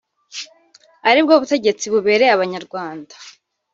aribwo butegetsi bubereye abanyarwanda